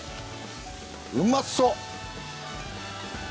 うまそう！